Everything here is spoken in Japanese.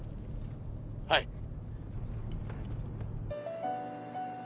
はい。